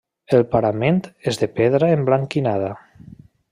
El parament és de pedra emblanquinada.